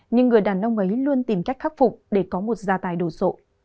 nhưng người đàn ông ấy luôn tìm cách khắc phục để có một gia tài đồ sộ